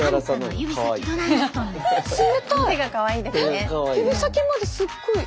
指先まですっごい。